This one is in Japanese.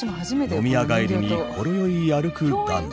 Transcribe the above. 飲み屋帰りにほろ酔い歩く男女。